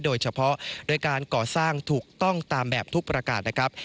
โดยเฉพาะโดยการก่อสร้างถูกต้องตามแบบทุกประกาศนะครับ